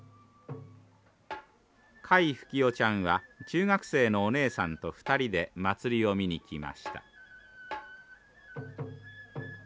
甲斐ふき代ちゃんは中学生のお姉さんと２人で祭りを見に来ました。